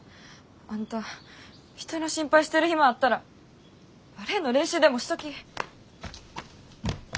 あんた人の心配してる暇あったらバレエの練習でもしとき！